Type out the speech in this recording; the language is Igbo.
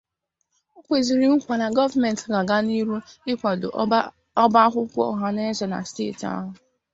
O kwezịrị nkwà na gọọmenti ga-aga n'ihu ịkwàdò ọba akwụkwọ ọhaneze na steeti ahụ.